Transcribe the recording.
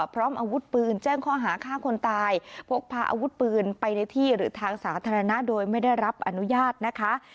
พร้อมอาวุธปืนแจ้งข้อหาฆ่าคนตายพกพาอาวุธปืนไปในที่หรือทางสาธารณะโดยไม่ได้รับอนุญาตนะคะ